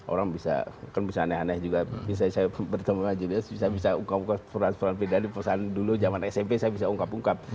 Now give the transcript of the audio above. orang bisa kan bisa aneh aneh juga bisa saya bertemu dengan judulnya bisa bisa ungkap ungkap peran peran beda di perusahaan dulu zaman smp saya bisa ungkap ungkap